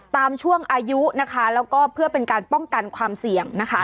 ช่วงอายุนะคะแล้วก็เพื่อเป็นการป้องกันความเสี่ยงนะคะ